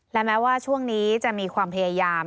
และแม้ว่าช่วงนี้จะมีความพยายาม